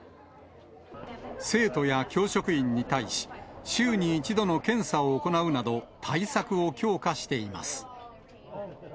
生徒や教職員に対し、週に１度の検査を行うなど、対策を強化しています。